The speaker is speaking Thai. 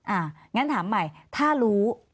อย่างนั้นถามใหม่ถ้ารู้